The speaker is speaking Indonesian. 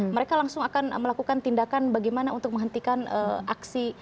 mereka langsung akan melakukan tindakan bagaimana untuk menghentikan aksi